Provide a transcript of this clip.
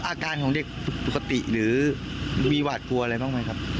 อาการของเด็กปกติหรือมีหวาดกลัวอะไรบ้างไหมครับ